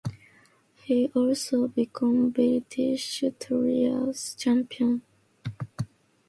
He also became British Trials Champion.